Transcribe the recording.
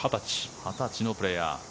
２０歳のプレーヤー。